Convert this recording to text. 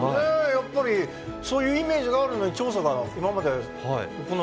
やっぱりそういうイメージがあるのに調査が今まで行われてなかった？